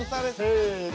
せの！